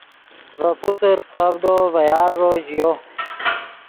ڤے پوسر فیخڤڈو ڤے یارݱو ژیو